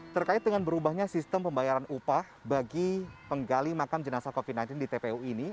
terkait dengan berubahnya sistem pembayaran upah bagi penggali makam jenazah covid sembilan belas di tpu ini